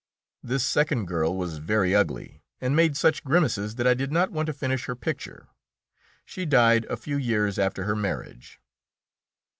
This second girl was very ugly, and made such grimaces that I did not want to finish her picture. She died a few years after her marriage.